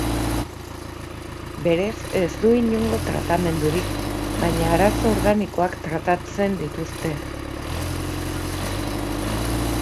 Berez ez du inongo tratamendurik, baina arazo organikoak tratatzen dituzte.